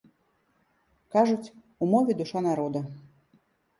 Кажуць, у мове душа народа.